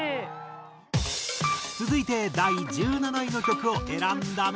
続いて第１７位の曲を選んだのは。